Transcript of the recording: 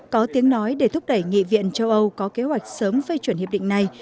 có tiếng nói để thúc đẩy nghị viện châu âu có kế hoạch sớm phê chuẩn hiệp định này